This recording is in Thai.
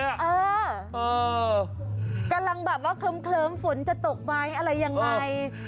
เออกำลังแบบว่าเคลิ้มฝนจะตกไหมอะไรยังไง